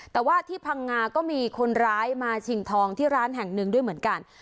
แต่ว่าที่พังงาก็มีคนร้ายมาชิงทองที่ร้านแห่งหนึ่งด้วยเหมือนกัน